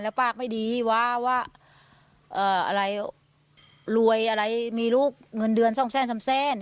แล้วป้ากไม่ดีว่าอะไรรวยอะไรมีลูกเงินเดือนซ่องแซ่นซ่ำแซ่น